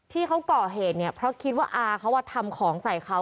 ที่เขาก่อเหตุเนี่ยเพราะคิดว่าอาเขาทำของใส่เขา